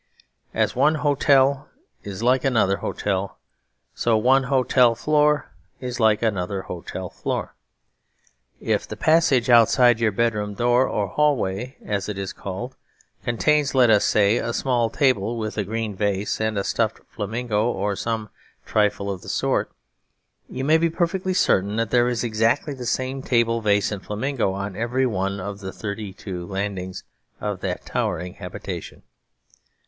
As one hotel is like another hotel, so one hotel floor is like another hotel floor. If the passage outside your bedroom door, or hallway as it is called, contains, let us say, a small table with a green vase and a stuffed flamingo, or some trifle of the sort, you may be perfectly certain that there is exactly the same table, vase, and flamingo on every one of the thirty two landings of that towering habitation.